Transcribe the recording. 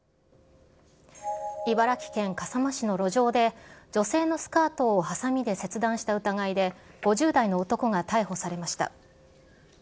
茨城県笠間市の路上で、女性のスカートをはさみで切断した疑いで、５０代の男が逮捕されました。